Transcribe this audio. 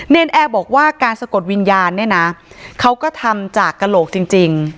นแอร์บอกว่าการสะกดวิญญาณเนี่ยนะเขาก็ทำจากกระโหลกจริง